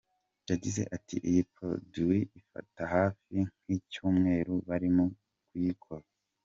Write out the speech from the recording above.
Yagize ati “Iyi produit ifata hafi nk’ icyumweru barimo kuyikora.